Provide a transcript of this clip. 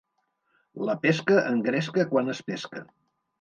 La pesca engresca quan es pesca.